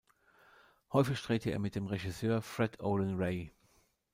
Häufig drehte er mit dem Regisseur Fred Olen Ray.